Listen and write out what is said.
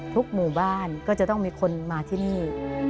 หมู่บ้านก็จะต้องมีคนมาที่นี่